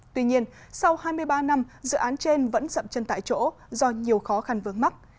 tuy nhiên sau hai mươi ba năm dự án trên vẫn dậm chân tại chỗ do nhiều khó khăn vướng mắt